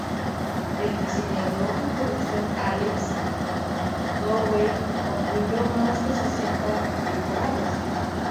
El diseñador de producción Alex McDowell construyó más de setenta decorados.